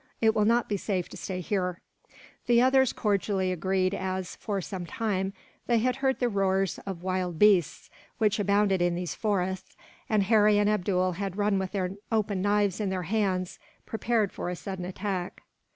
It will not be safe to stay here." The others cordially agreed as, for some time, they had heard the roars of wild beasts, which abounded in these forests; and Harry and Abdool had run with their open knives in their hands, prepared for a sudden attack.